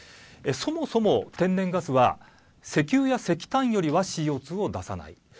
そもそも、天然ガスは石油や石炭よりはＣＯ２を出さない。